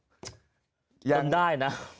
เติมได้นะ